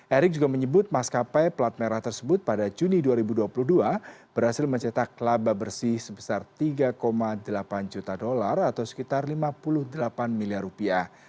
erick juga menyebut maskapai plat merah tersebut pada juni dua ribu dua puluh dua berhasil mencetak laba bersih sebesar tiga delapan juta dolar atau sekitar lima puluh delapan miliar rupiah